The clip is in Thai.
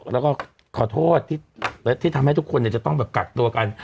แล้วก็ขอโทษที่ทำให้ทุกคนจะต้องแบบกักตัวกัน